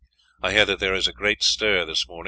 I hear that there is a great stir this morning.